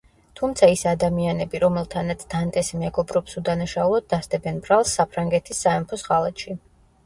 თუმცა ის ადამიანები, რომელთანაც დანტესი მეგობრობს უდანაშაულოდ დასდებენ ბრალს საფრანგეთის სამეფოს ღალატში.